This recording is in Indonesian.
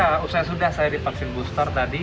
ya usaha sudah saya dipaksin booster tadi